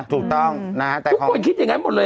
ถูกต้องแต่ทุกคนคิดอย่างนั้นหมดเลย